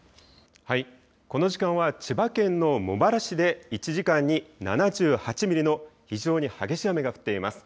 この時間は千葉県の茂原市で１時間に７８ミリの非常に激しい雨が降っています。